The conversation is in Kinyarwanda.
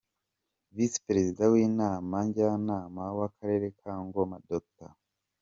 Visi Perezida w’Inama Njyanama w’Akarere ka Ngoma Dr.